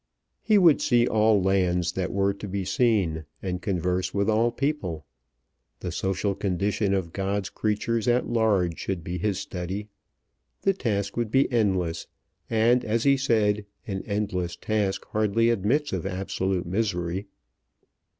He would see all lands that were to be seen, and converse with all people. The social condition of God's creatures at large should be his study. The task would be endless, and, as he said, an endless task hardly admits of absolute misery.